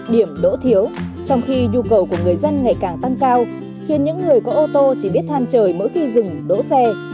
điểm đỗ thiếu trong khi nhu cầu của người dân ngày càng tăng cao khiến những người có ô tô chỉ biết than trời mỗi khi dừng đỗ xe